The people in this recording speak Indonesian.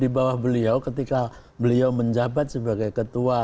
di bawah beliau ketika beliau menjabat sebagai ketua